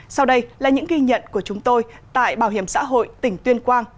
sau đây là những ghi nhận của chúng tôi tại bảo hiểm xã hội tỉnh tuyên quang